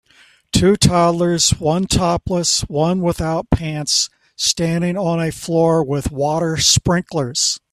Two toddlers one topless one without pants standing on a floor with water sprinklers